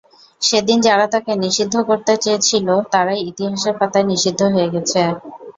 সেদিন যারা তাঁকে নিষিদ্ধ করতে চেয়েছিল, তারাই ইতিহাসের পাতায় নিষিদ্ধ হয়ে গেছে।